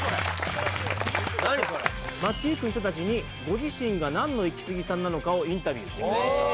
街行く人達にご自身が何のイキスギさんなのかをインタビューしてきました